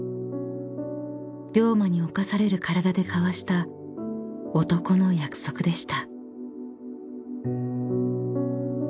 ［病魔に侵される体で交わした男の約束でした］